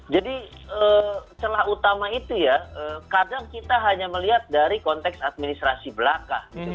jadi celah utama itu ya kadang kita hanya melihat dari konteks administrasi belaka